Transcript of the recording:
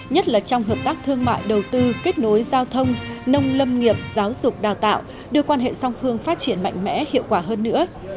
nhất là trong hợp tác thương mại đầu tư kết nối giao thông nông lâm nghiệp giáo dục đào tạo đưa quan hệ song phương phát triển mạnh mẽ hiệu quả hơn nữa